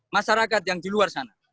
masyarakat yang di luar sana